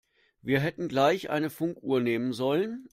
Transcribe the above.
Wir hätten gleich eine Funkuhr nehmen sollen.